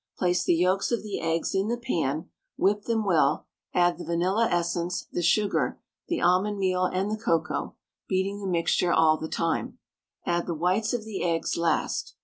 Place the yolks of the eggs in the pan, whip them well, add the vanilla essence, the sugar, the almond meal, and the cocoa, beating the mixture all the time; add the whites of the eggs last.